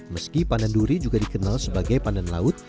meski pandan duri juga dikenal sebagai pandan laut